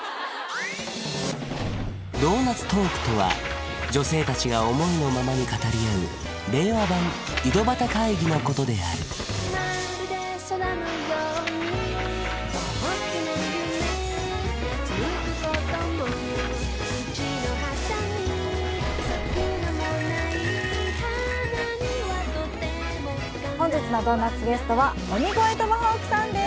ドーナツトークとは女性達が思いのままに語り合う令和版井戸端会議のことである本日のドーナツゲストは鬼越トマホークさんです